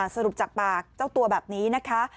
สรุปจากปากเจ้าตัวแบบนี้นะคะ